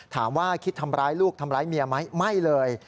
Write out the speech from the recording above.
ถามว่าคิดทำร้ายลูกทำร้ายเมียไหมไม่เลย